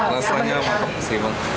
rasanya mantap sih bang